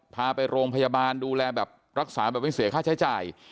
พาไปโรงพยาบาลดูแลแบบรักษาแบบไม่เสียค่าใช้จ่าย